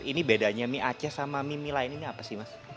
ini bedanya mie aceh sama mie mie lain ini apa sih mas